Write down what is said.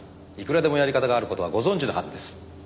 いくらでもやり方がある事はご存じのはずです。